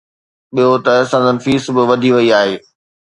ٻيو ته سندن فيس به وڌي وئي آهي.